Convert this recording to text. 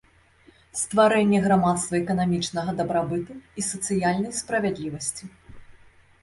Стварэнне грамадства эканамічнага дабрабыту і сацыяльнай справядлівасці.